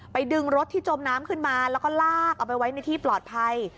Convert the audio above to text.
ดึงรถที่จมน้ำขึ้นมาแล้วก็ลากเอาไปไว้ในที่ปลอดภัย